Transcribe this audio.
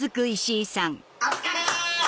お疲れ！